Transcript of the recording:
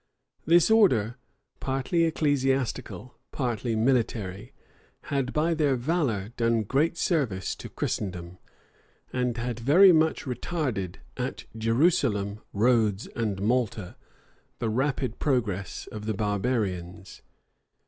This order, partly ecclesiastical, partly military, had by their valor done great service to Christendom; and had very much retarded, at Jerusalem, Rhodes, and Malta, the rapid progress of the barbarians.